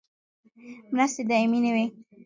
مرستې دایمي نه وي